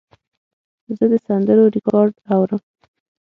زه د سندرو ریکارډ اورم.